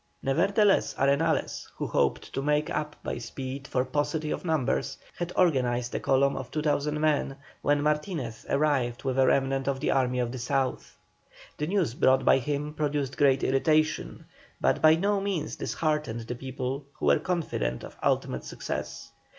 Nevertheless Arenales, who hoped to make up by speed for paucity of numbers, had organized a column of 2,000 men, when Martinez arrived with a remnant of the Army of the South. The news brought by him produced great irritation, but by no means disheartened the people, who were confident of ultimate success.